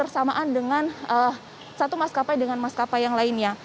satu maskapai dengan maskapai yang lainnya